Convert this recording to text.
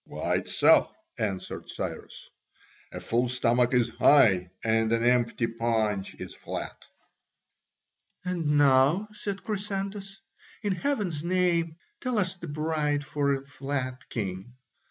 "Quite so," answered Cyrus, "a full stomach is high and an empty paunch is flat." "And now," said Chrysantas, "in heaven's name, tell us the bride for a flat king?"